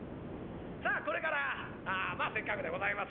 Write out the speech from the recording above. さあこれからまあせっかくでございます